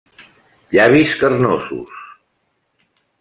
Llavis carnosos.